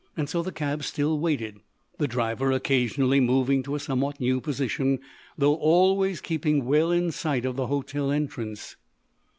So the cab still waited, the driver occasionally moving to a somewhat new position, though always keeping well in sight of the hotel entrance.